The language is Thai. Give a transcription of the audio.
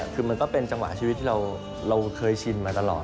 คือมันก็เป็นจังหวะชีวิตที่เราเคยชินมาตลอด